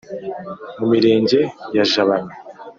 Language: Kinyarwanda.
mu mirenge ya jabana.